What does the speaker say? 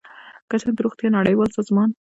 که څه هم د روغتیا نړیوال سازمان